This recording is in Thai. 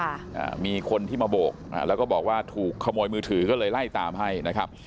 อ่ามีคนที่มาโบกอ่าแล้วก็บอกว่าถูกขโมยมือถือก็เลยไล่ตามให้นะครับ